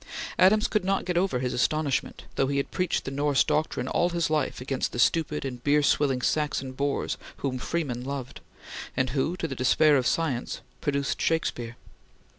Adams could not get over his astonishment, though he had preached the Norse doctrine all his life against the stupid and beer swilling Saxon boors whom Freeman loved, and who, to the despair of science, produced Shakespeare.